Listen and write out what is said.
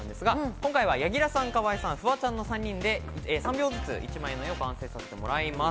今回は柳楽さん、河井さん、フワちゃんの３人で、３秒ずつ描いて一枚の絵を完成させてもらいます。